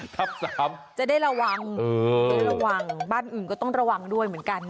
ห้าม๙๕๓จะได้ระวังบ้านอื่นก็ต้องระวังด้วยเหมือนกันนะ